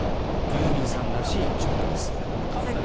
ユーミンさんらしいジョークです。